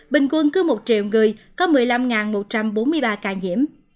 bình quân cứ một triệu người có một mươi năm một trăm bốn mươi ba ca nhiễm